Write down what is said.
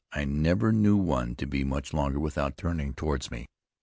I never knew one to be much longer without turning towards me.